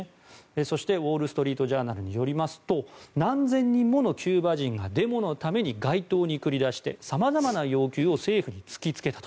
そして、ウォール・ストリート・ジャーナルによりますと何千人ものキューバ人がデモのために街頭に繰り出して様々な要求を政府に突きつけたと。